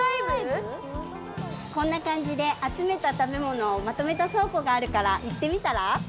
こんなかんじであつめた食べ物をまとめたそうこがあるからいってみたら？